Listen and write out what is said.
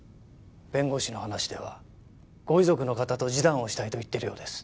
弁護士の話ではご遺族の方と示談をしたいと言っているようです。